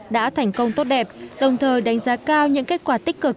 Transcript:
đã thành công tốt đẹp đồng thời đánh giá cao những kết quả tích cực